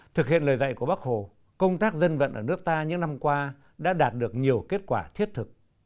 thực hiện lời dạy của bác hồ công tác dân vận ở nước ta những năm qua đã đạt được nhiều kết quả thiết thực